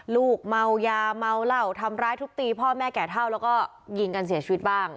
ลูกเมายาเมาเหล้าทำร้ายทุบตีพ่อแม่แก่เท่าแล้วก็ยิงกันเสียชีวิตบ้าง